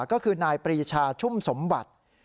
ก็คือนายปรีชาชุ่มสมบัติ